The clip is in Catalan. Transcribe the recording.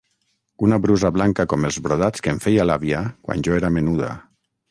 Una brusa blanca com els brodats que em feia l'àvia quan jo era menuda.